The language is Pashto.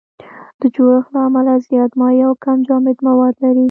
د جوړښت له امله زیات مایع او کم جامد مواد لري.